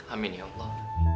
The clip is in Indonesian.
amin ya allah